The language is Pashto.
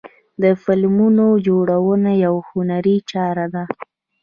د فلمونو جوړونه یوه هنري چاره ده.